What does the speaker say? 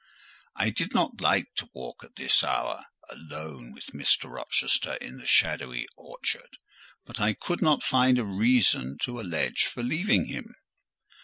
I did not like to walk at this hour alone with Mr. Rochester in the shadowy orchard; but I could not find a reason to allege for leaving him.